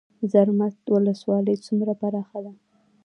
زرمت ولسوالۍ څومره پراخه ده؟